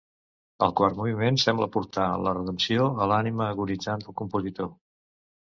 El quart moviment sembla portar la redempció a l'ànima agonitzant del compositor.